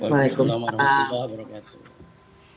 waalaikumsalam warahmatullahi wabarakatuh